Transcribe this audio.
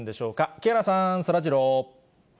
木原さん、そらジロー。